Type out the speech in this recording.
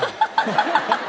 ハハハハハ！